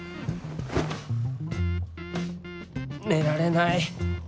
寝られない